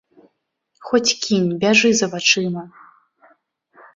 Хоць кінь, бяжы за вачыма!